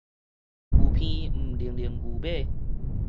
牛鼻毋拎拎牛尾